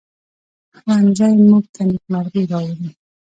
ښوونځی موږ ته نیکمرغي راوړي